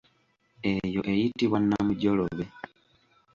Eyo eyitibwa namujolobe.